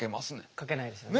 かけないですよね。